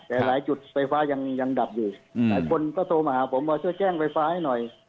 แต่หลายจุดไฟฟ้ายังดับอยู่หลายคนก็โทรมาหาผมว่าช่วยแจ้งไฟฟ้าให้หน่อย